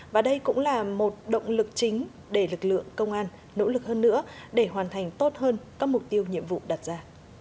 và đây cũng là một động lực chính để lực lượng công an nỗ lực hơn nữa để hoàn thành tốt hơn các mục tiêu nhiệm vụ đặt ra